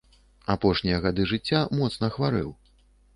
Апошнія гады жыцця моцна хварэў.